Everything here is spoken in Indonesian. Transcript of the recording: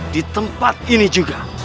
di tempat ini juga